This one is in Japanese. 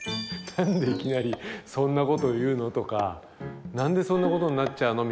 「何でいきなりそんなこと言うの？」とか「何でそんなことになっちゃうの？」